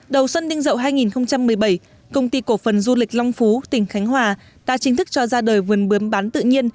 đầu xuân đinh dậu hai nghìn một mươi bảy công ty cổ phần du lịch long phú tỉnh khánh hòa đã chính thức cho ra đời vườn bướm bán tự nhiên